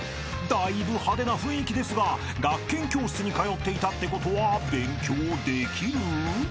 ［だいぶ派手な雰囲気ですが学研教室に通っていたってことは勉強できる？］